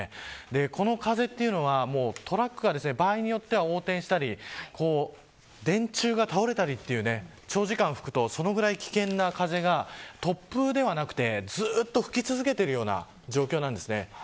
この風はトラックが場合によっては横転したり電柱が倒れたりという長時間吹くと、そのぐらい危険な風が突風ではなくてずっと吹き続けているような状況です。